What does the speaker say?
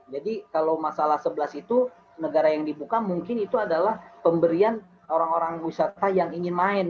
jadi kalau masalah sebelas itu negara yang dibuka mungkin itu adalah pemberian orang orang wisata yang ingin main